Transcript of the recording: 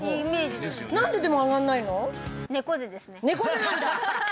猫背なんだ！